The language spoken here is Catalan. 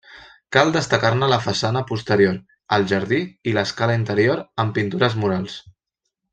Cal destacar-ne la façana posterior, el jardí i l'escala interior, amb pintures murals.